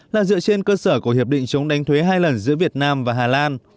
là dựa trên cơ sở của hiệp định chống đánh thuế hai lần giữa việt nam và hà lan